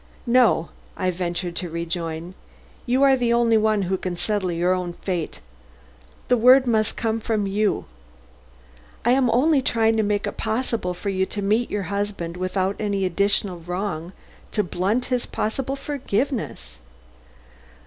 "No," I ventured to rejoin. "You are the only one who can settle your own fate. The word must come from you. I am only trying to make it possible for you to meet your husband without any additional wrong to blunt his possible forgiveness."